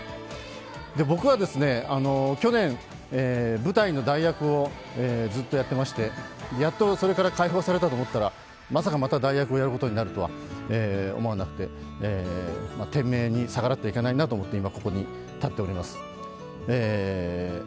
僕はですね、去年、舞台の代役をずっとやっていましてやっとそれから解放されたと思ったらまさかまた代役をやることになるとは思わなくて天命に逆らってはいけないなと思って、今ここに立っております。